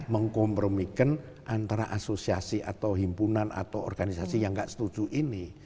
mengkompromikan antara asosiasi atau himpunan atau organisasi yang tidak setuju ini